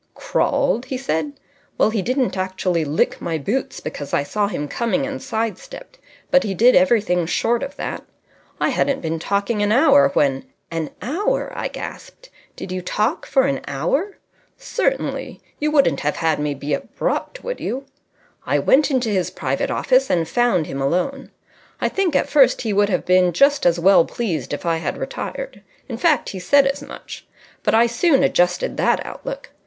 "Crawled?" he said. "Well, he didn't actually lick my boots, because I saw him coming and side stepped; but he did everything short of that. I hadn't been talking an hour when " "An hour!" I gasped. "Did you talk for an hour?" "Certainly. You wouldn't have had me be abrupt, would you? I went into his private office and found him alone. I think at first he would have been just as well pleased if I had retired. In fact, he said as much. But I soon adjusted that outlook.